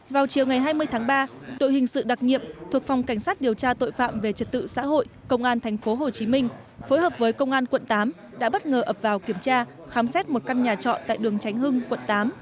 vào chiều ngày hai mươi tháng ba đội hình sự đặc nhiệm thuộc phòng cảnh sát điều tra tội phạm về trật tự xã hội công an tp hcm phối hợp với công an quận tám đã bất ngờ ập vào kiểm tra khám xét một căn nhà trọ tại đường tránh hưng quận tám